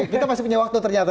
kita masih punya waktu ternyata